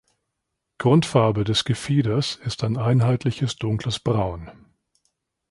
Grundfarbe des Gefieders ist ein einheitliches dunkles Braun.